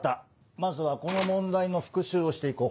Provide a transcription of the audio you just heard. まずはこの問題の復習をして行こう。